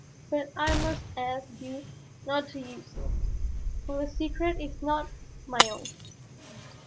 But I must ask you not to use it, for the secret is not my own."